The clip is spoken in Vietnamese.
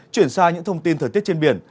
chuyển sang những thông tin thời tiết trên biển